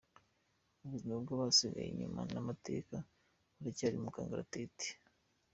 Ubuzima bw’abasigajwe inyuma n’amateka buracyari mu kangaratete